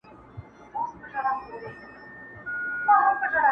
او نړۍ ته يې ښيي